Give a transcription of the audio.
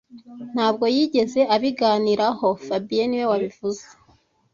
Ntabwo yigeze abiganiraho fabien niwe wabivuze